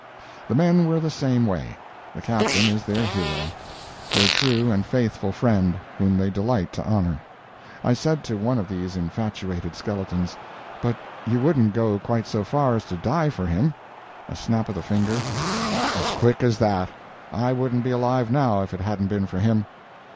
The men were the same way; the Captain is their hero—their true and faithful friend, whom they delight to honor. I said to one of these infatuated skeletons, "But you wouldn't go quite so far as to die for him?" A snap of the finger—"As quick as that!—I wouldn't be alive now if it hadn't been for him."